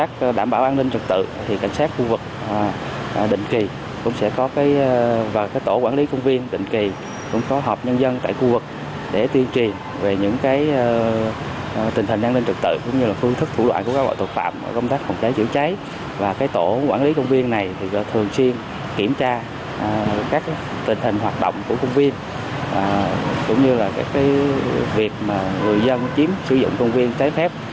các tình hình hoạt động của công viên cũng như là cái việc mà người dân chiếm sử dụng công viên trái phép